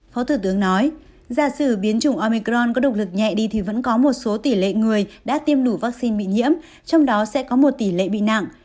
phó thủ tướng nói gia xử biến chủng omicron có động lực nhẹ đi thì vẫn có một số tỷ lệ người đã tiêm đủ vaccine bị nhiễm trong đó sẽ có một tỷ lệ bị nặng